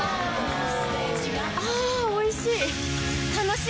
あぁおいしい！